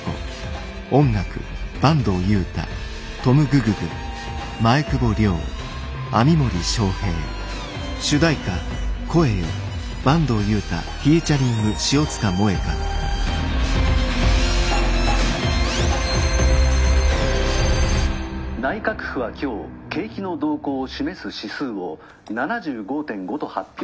リンカーン「内閣府は今日景気の動向を示す指数を７５．５と発表。